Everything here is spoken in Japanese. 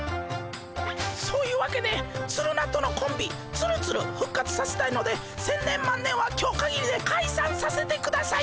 そういうわけでツルナとのコンビツルツル復活させたいので千年万年は今日かぎりでかいさんさせてください。